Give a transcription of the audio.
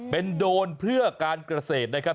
เป็นโดรนเพื่อการเกษตรนะครับ